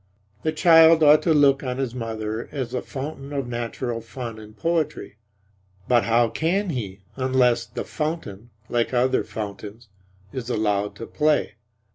The child ought to look on his mother as a fountain of natural fun and poetry; but how can he unless the fountain, like other fountains, is allowed to play?